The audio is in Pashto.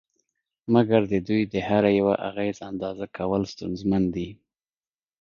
مګر د دوی د هر یوه اغېز اندازه کول ستونزمن دي